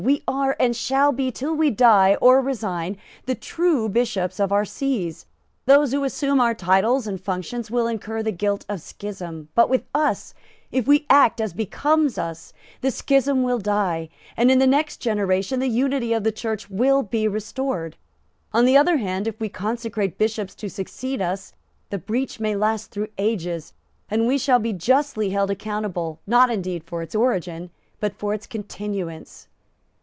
We are, and shall be, till we die or resign, the true Bishops of our sees. Those who assume our titles and functions will incur the guilt of schism. But with us, if we act as becomes us, the schism will die; and in the next generation the unity of the Church will be restored. On the other hand, if we consecrate Bishops to succeed us, the breach may last through ages, and we shall be justly held accountable, not indeed for its origin, but for its continuance."